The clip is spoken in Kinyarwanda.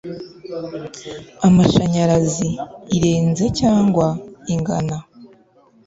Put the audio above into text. amashanyarazi irenze cyangwa ingana